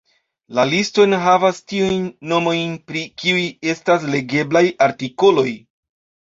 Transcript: La listo enhavas tiujn nomojn, pri kiuj estas legeblaj artikoloj.